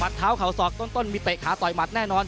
เท้าเข่าศอกต้นมีเตะขาต่อยหมัดแน่นอน